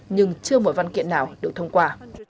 nhưng chưa một văn kiện nào được thông qua